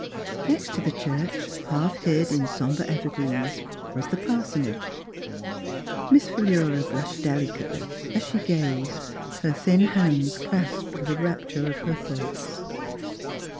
Next to the church, half hid in sombre evergreens, was the parsonage. Miss Philura blushed del icately as she gazed, her thin hands clasped with the rapture of her thoughts.